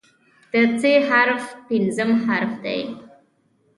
د "ث" حرف پنځم حرف دی.